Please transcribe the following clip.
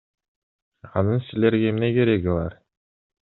Анын силерге эмне кереги бар?